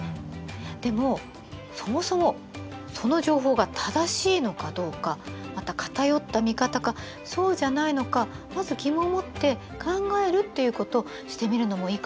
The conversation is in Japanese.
でもそもそもその情報が正しいのかどうかまた偏った見方かそうじゃないのかまず疑問を持って考えるっていうことしてみるのもいいかもしれないね。